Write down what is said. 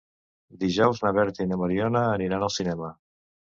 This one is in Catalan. Dijous na Berta i na Mariona aniran al cinema.